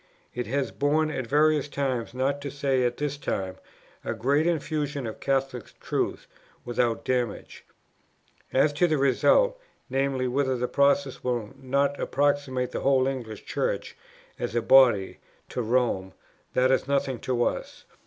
It has borne at various times, not to say at this time, a great infusion of Catholic truth without damage. As to the result, viz. whether this process will not approximate the whole English Church, as a body, to Rome, that is nothing to us.